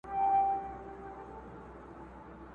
« اتفاق په پښتانه کي پیدا نه سو »،